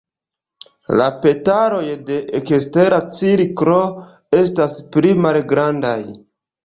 La petaloj de ekstera cirklo estas pli malgrandaj.